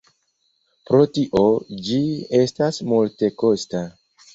Pro tio ĝi estas multekosta.